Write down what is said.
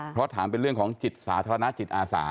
เพราะถามเป็นเรื่องของจิตสาธารณะจิตอาสา